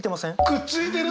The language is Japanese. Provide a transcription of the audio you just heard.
くっついてる！